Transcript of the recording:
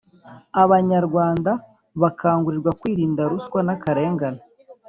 abanyarwanda bakangurirwa kwirinda ruswa n’akarengane.